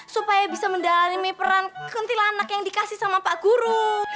supaya bisa mendalami peran kuntilanak yang dikasih sama pak guru